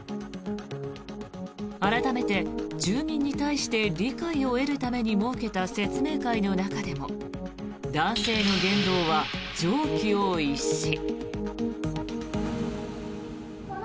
改めて、住民に対して理解を得るために設けた説明会の中でも男性の言動は常軌を逸し。